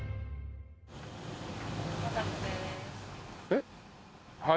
えっ？